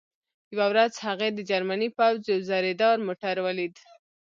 یوه ورځ هغې د جرمني پوځ یو زرهدار موټر ولید